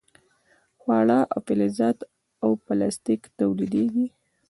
خواړه او فلزات او پلاستیک تولیدیږي.